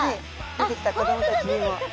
出てきた子供たちにも。